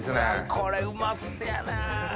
これうまそやなぁ。